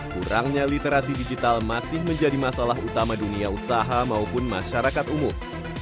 kurangnya literasi digital masih menjadi masalah utama dunia usaha maupun masyarakat umum